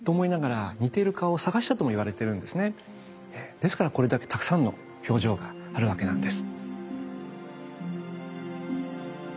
ですからこれだけたくさんの表情があるわけなんです。